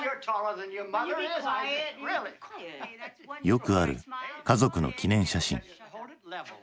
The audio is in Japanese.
よくある家族の記念写真。